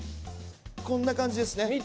こんな感じですね。